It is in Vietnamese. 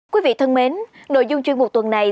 quý vị thân mến nội dung chuyên mục tuần này